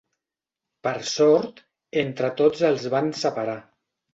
Per sort, entre tots els van separar.